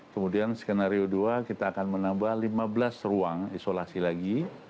kemudian skenario dua kita akan menambah lima belas ruang isolasi lagi